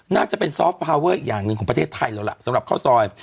น่าจะเป็นอย่างหนึ่งของประเทศไทยแล้วล่ะสำหรับข้าวซอย